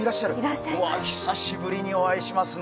久しぶりにお会いしますね。